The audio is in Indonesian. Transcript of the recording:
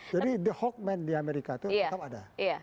jadi the hawkman di amerika itu tetap ada